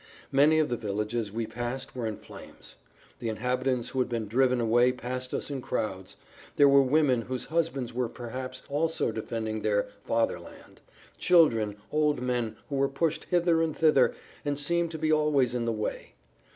Many of the villages we passed were in flames; the inhabitants who had been driven away passed us in crowds; there were women whose husbands were perhaps also defending their "Fatherland," children, old men who were pushed hither and thither and seemed to be always in the way.